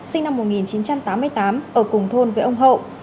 sinh năm một nghìn chín trăm tám mươi tám ở cùng thôn với ông hậu